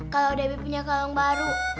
kalau debbie punya kalung baru